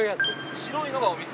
白いのがお店。